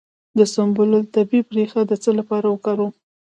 د سنبل الطیب ریښه د څه لپاره وکاروم؟